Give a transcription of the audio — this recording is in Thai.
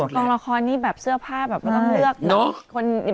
กลางละครนี่แบบเสื้อผ้าแบบต้องเลือก